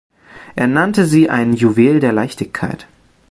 Er nannte sie ein »Juwel der Leichtigkeit«.